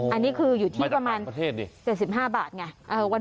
อันนี้คืออยู่ที่ประมาณ๗๕บาทไงไม่ต่างประเทศดิ